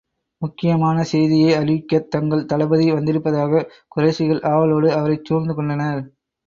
முக்கியமான செய்தியை அறிவிக்கத் தங்கள் தளபதி வந்திருப்பதாகக் குறைஷிகள் ஆவலோடு அவரைச் சூழ்ந்து கொண்டனர்.